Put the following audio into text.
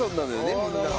みんなが。